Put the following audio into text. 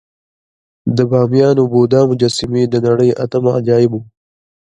د بامیانو بودا مجسمې د نړۍ اتم عجایب وو